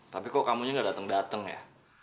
tapi kok kamu nya gak dateng dateng ya